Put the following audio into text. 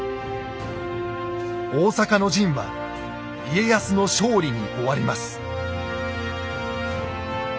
大坂の陣は家康の勝利に終わります。